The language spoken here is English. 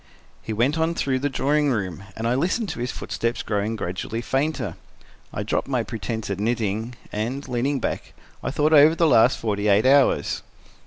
He went on through the drawing room, and I listened to his footsteps growing gradually fainter. I dropped my pretense at knitting and, leaning back, I thought over the last forty eight hours.